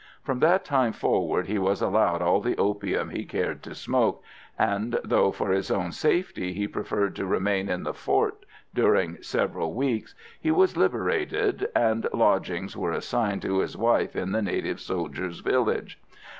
From that time forward he was allowed all the opium he cared to smoke, and, though for his own safety he preferred to remain in the fort during several weeks, he was liberated, and lodgings were assigned to his wife in the native soldiers' village.